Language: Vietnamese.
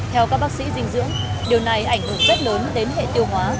theo các bác sĩ dinh dưỡng điều này ảnh hưởng rất lớn đến hệ tiêu hóa